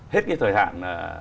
hết cái thời hạn